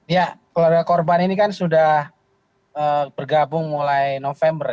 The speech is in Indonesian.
ya keluarga korban ini kan sudah bergabung mulai november ya